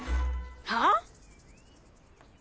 はあ？